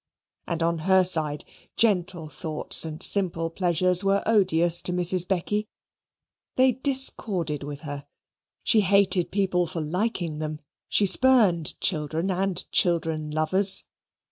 And on her side gentle thoughts and simple pleasures were odious to Mrs. Becky; they discorded with her; she hated people for liking them; she spurned children and children lovers.